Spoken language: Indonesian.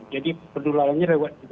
jadi penularannya rewat juga